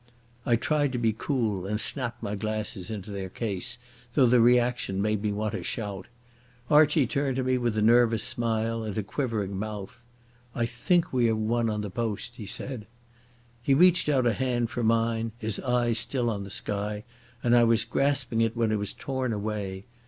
I tried to be cool, and snapped my glasses into their case, though the reaction made me want to shout. Archie turned to me with a nervous smile and a quivering mouth. "I think we have won on the post," he said. He reached out a hand for mine, his eyes still on the sky, and I was grasping it when it was torn away.